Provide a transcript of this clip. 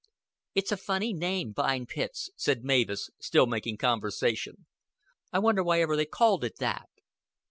"It's a funny name, Vine Pits," said Mavis, still making conversation. "I wonder why ever they called it that."